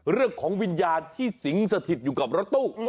เรื่องของวิญญาณที่สิงสถิตอยู่กับรถตู้